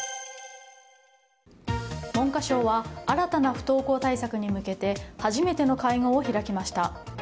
文科省は新たな不登校対策に向けて初めての会合を開きました。